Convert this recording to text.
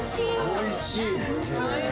おいしい。